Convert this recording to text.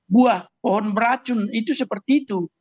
buah pohon beracun itu seperti itu